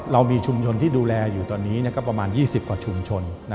เรามีชุมชนที่ดูแลอยู่ตอนนี้ก็ประมาณ๒๐กว่าชุมชน